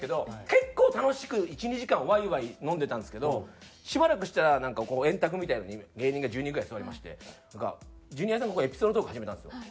結構楽しく１２時間ワイワイ飲んでたんですけどしばらくしたら円卓みたいなのに芸人が１０人ぐらい座りましてなんかジュニアさんがエピソードトーク始めたんですよ。